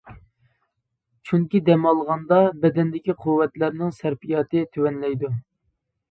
چۈنكى دەم ئالغاندا بەدەندىكى قۇۋۋەتلەرنىڭ سەرپىياتى تۆۋەنلەيدۇ.